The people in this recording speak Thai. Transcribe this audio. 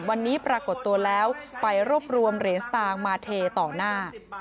วันนี้ปรากฏตัวแล้วไปรวบรวมเหรียญสตางค์มาเทต่อหน้า